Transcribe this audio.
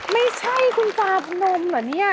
ไม่ใช่คุณตาพนมเหรอเนี่ย